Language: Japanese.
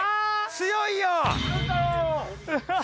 強いよ！